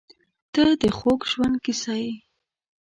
• ته د خوږ ژوند کیسه یې.